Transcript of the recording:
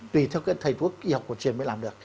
tùy theo cái thầy thuốc y học cổ truyền mới làm được